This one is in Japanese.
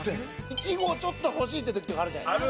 １合ちょっと欲しいって時とかあるじゃないですか。